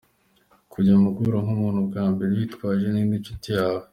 Kujya guhura n’umuntu bwa mbere witwaje n’indi nshuti yawe.